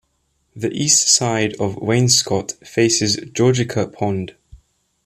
The east side of Wainscott faces Georgica Pond.